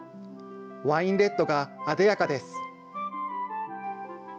ワインレッドがあでやかです。